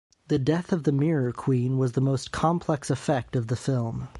The death of The Mirror Queen was the most complex effect of the film.